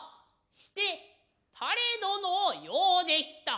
して誰殿を呼うで来た。